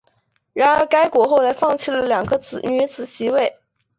然而该国后来放弃了两个女子席位。